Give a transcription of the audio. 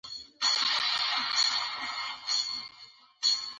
لیکل شوې، موږ هڅه کړې په